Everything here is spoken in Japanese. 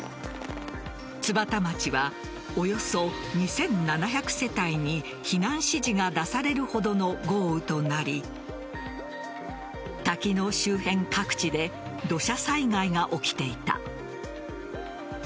津幡町はおよそ２７００世帯に避難指示が出されるほどの豪雨となり滝の周辺各地で土砂災害が起きていた。